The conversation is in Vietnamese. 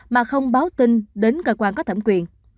mà không báo tin đến cơ quan có thẩm quyền